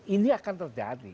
ini akan terjadi